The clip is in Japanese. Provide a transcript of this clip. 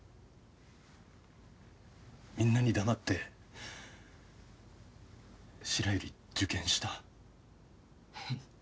みんなに黙って白百合受験した。